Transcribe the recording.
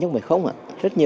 mã công an